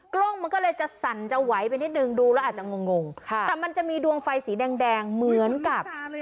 กล้องมันก็เลยจะสั่นจะไหวไปนิดนึงดูแล้วอาจจะงงงค่ะแต่มันจะมีดวงไฟสีแดงแดงเหมือนกับ